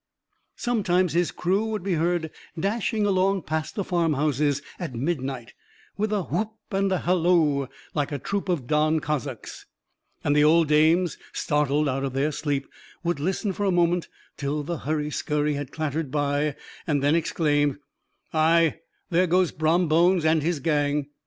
Sometimes his crew would be heard dashing along past the farmhouses at midnight, with whoop and halloo, like a troop of Don Cossacks, and the old dames, startled out of their sleep, would listen for a moment till the hurry scurry had clattered by, and then exclaim, "Ay, there goes Brom Bones and his gang!"